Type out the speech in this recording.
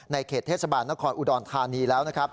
ในเขตเทศบาลนครอุดรธานีแล้ว